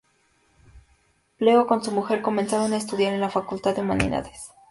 Luego con su mujer comenzaron a estudiar en la facultad de humanidades.